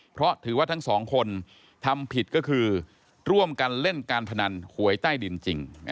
เพราะถือว่าทั้งสองคนทำผิดก็คือร่วมกันเล่นการพนันหวยใต้ดินจริง